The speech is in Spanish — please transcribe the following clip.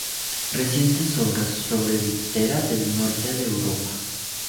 Recientes obras sobre Diptera del Norte de Europa.